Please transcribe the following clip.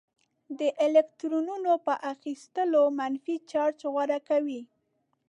د الکترونونو په اخیستلو منفي چارج غوره کوي.